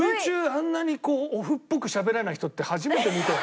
あんなにこうオフっぽくしゃべらない人って初めて見たよ。